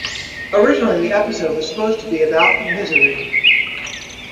Originally, the episode was supposed to be about "Misery".